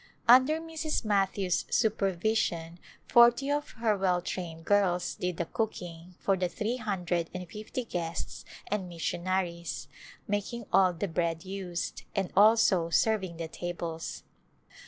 Under Mrs. Matthews' super vision forty of her well trained girls did the cooking for the three hundred and fifty guests and mission aries, making all the bread used, and also serving the tables.